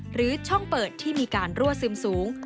หรือช่องเปิดที่มีการรั่วซึมสูง